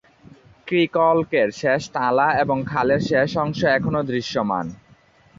ক্রিকলকের শেষ তালা এবং খালের শেষ অংশ এখনও দৃশ্যমান।